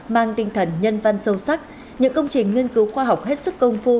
mang tinh thần nhân văn sâu sắc những công trình nghiên cứu khoa học hết sức công phu